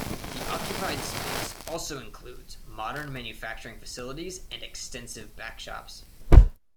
The occupied space also includes modern manufacturing facilities and extensive back shops.